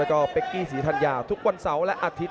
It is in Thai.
ขอบคุณครับ